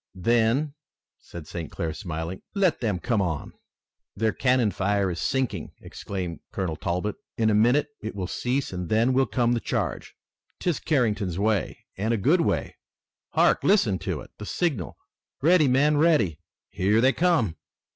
"Then," said St. Clair, smiling, "let them come on." "Their cannon fire is sinking!" exclaimed Colonel Talbot. "In a minute it will cease and then will come the charge! 'Tis Carrington's way, and a good way! Hark! Listen to it! The signal! Ready, men! Ready! Here they come!"